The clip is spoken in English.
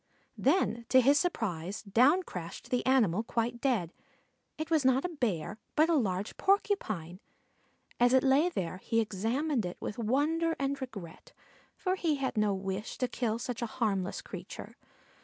Then to his surprise down crashed the animal quite dead; it was not a Bear, but a large Porcupine. As it lay there he examined it with wonder and regret, for he had no wish to kill such a harmless creature.